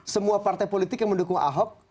semua partai politik yang mendukung ahok